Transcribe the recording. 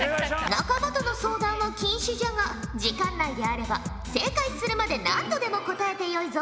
仲間との相談は禁止じゃが時間内であれば正解するまで何度でも答えてよいぞ！